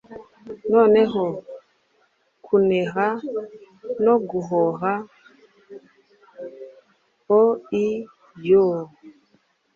Noneho kuneha no guhoha o ii yoe